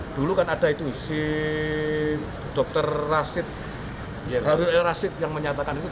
seperti yang terjadi di polres malang kemudian dianggap sebagai pelaporan model b